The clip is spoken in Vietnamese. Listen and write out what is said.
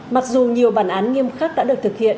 mặc dù nhiều bản án nghiêm khắc đã được thực hiện